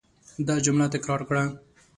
دا جمله تکرار کړه.